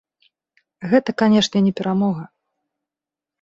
Гэта, канешне, не перамога.